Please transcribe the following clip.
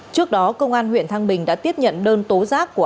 trước đó công an huyện thăng bình đã tiếp nhận đơn tố giác của